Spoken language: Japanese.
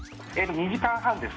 ２時間半です。